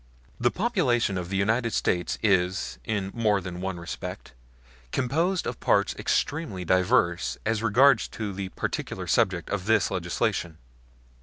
The population of the United States is, in more than one respect, composed of parts extremely diverse as regards the particular subject of this legislation.